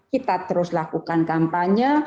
kita terus lakukan kampanye